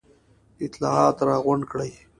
اطلاعات را غونډ کړي.